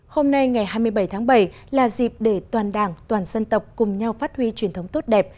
hôm nay ngày hai mươi bảy tháng bảy là dịp để toàn đảng toàn dân tộc cùng nhau phát huy truyền thống tốt đẹp